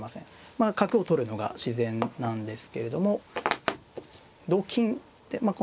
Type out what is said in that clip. まあ角を取るのが自然なんですけれども同金でまあ